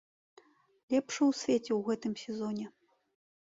Лепшы ў свеце ў гэтым сезоне!